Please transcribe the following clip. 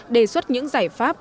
đề xuất những giải phóng